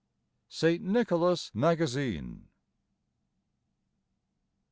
St. Nicholas Magazine.